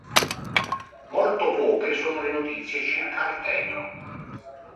Molto poche sono le notizie circa Artemio.